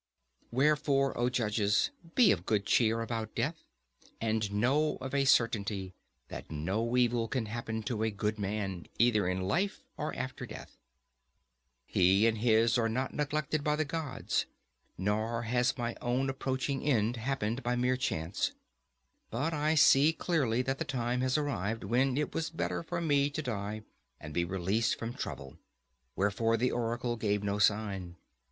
Wherefore, O judges, be of good cheer about death, and know of a certainty, that no evil can happen to a good man, either in life or after death. He and his are not neglected by the gods; nor has my own approaching end happened by mere chance. But I see clearly that the time had arrived when it was better for me to die and be released from trouble; wherefore the oracle gave no sign.